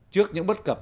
trước những bất cập